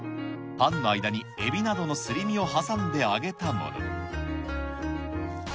パンの間にエビなどのすり身を挟んで揚げたもの。